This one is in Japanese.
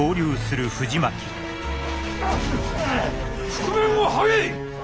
覆面を剥げ！